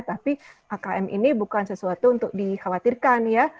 tapi hkm ini bukan sesuatu untuk dikhawatirkan ya